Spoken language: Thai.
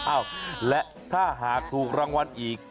เอ้าและถ้าหากถูกรางวัลอีก